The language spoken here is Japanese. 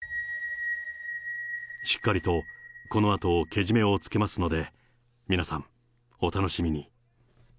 しっかりとこのあと、けじめをつけますので、皆さん、お楽しみに。